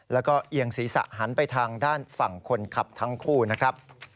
แล้วก็เอียงศีรษะหันไปทางด้านฝั่งคนขับทั้งคู่นะครับ